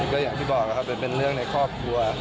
ก็อย่างที่บอกนะครับมันเป็นเรื่องในครอบครัว